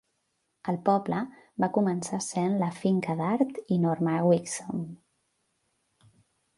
El poble va començar sent la finca d'Art i Norma Wixom.